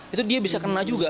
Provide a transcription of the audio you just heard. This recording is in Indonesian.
itu dia bisa kena juga